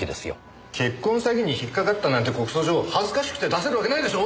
結婚詐欺に引っかかったなんて告訴状恥ずかしくて出せるわけないでしょう！